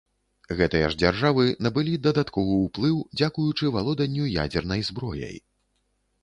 Гэтыя ж дзяржавы набылі дадатковы ўплыў дзякуючы валоданню ядзернай зброяй.